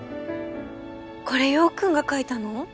これ陽君が描いたの？